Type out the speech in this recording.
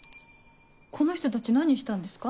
この人たち何したんですか？